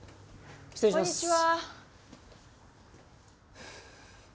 こんにちは。